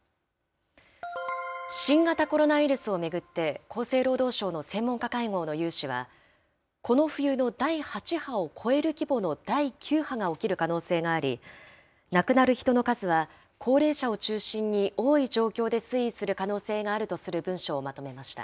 新型コロナウイルスを巡って、厚生労働省の専門家会合の有志は、この冬の第８波を超える規模の第９波が起きる可能性があり、亡くなる人の数は高齢者を中心に多い状況で推移する可能性があるとする文書をまとめました。